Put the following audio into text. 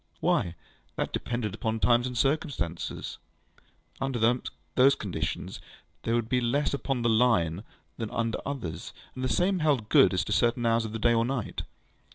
Why, that depended upon times and circumstances. Under some conditions there would be less upon the Line than under others, and the same held good as to certain hours of the day and night.